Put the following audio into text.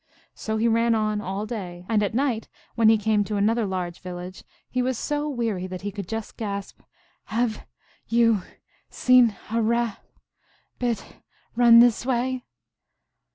So he ran on all day, and at night, when he came to another large village, he was so weary that he could just gasp, " Have you seen a Rab bit run this way?"